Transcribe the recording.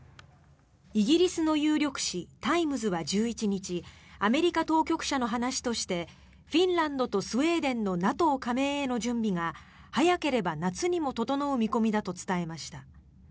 イギリスの有力紙タイムズは１１日アメリカ当局者の話としてフィンランドとスウェーデンのＮＡＴＯ加盟への準備が早ければ夏にも整う見込みだと伝えました。